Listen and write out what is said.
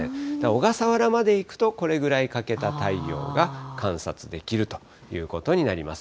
小笠原まで行くと、これぐらい欠けた太陽が観察できるということになります。